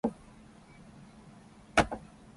助け合おう